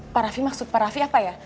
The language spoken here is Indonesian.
pak raffi maksud pak raffi apa ya